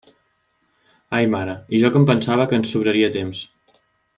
Ai mare, i jo que em pensava que ens sobraria temps.